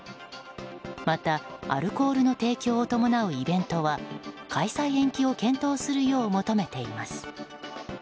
またアルコールの提供を伴うイベントは開催延期を検討するよう求めています。